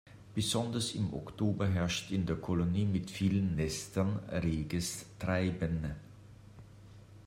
Besonders im Oktober herrscht in der Kolonie mit vielen Nestern reges Treiben.